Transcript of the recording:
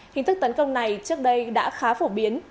hình thức tấn công này trước đây đã khá phổ biến